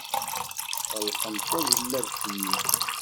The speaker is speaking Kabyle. Tɣelqemt tajellabt-nni.